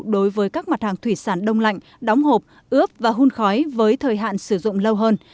đối với các mặt hàng thủy sản đông lạnh đóng hộp ướp và hun khói với thời hạn sử dụng lâu hơn